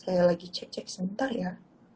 saya lagi cek cek sebentar ya